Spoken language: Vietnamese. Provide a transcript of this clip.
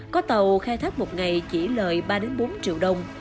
có tàu khai thác một ngày chỉ lợi ba bốn triệu đồng